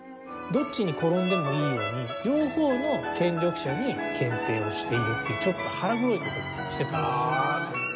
どっちに転んでもいいように両方の権力者に献呈をしているっていうちょっと腹黒い事もしてたんですよ。